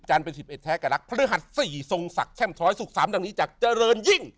จันทร์เป็น๑๑แท้กระลักษณ์ภรรยาศสี่ทรงศักดิ์แช่มท้อยสุข๓ดังนี้จากเจริญยิ่ง